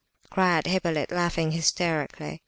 cried Hippolyte, laughing hysterically.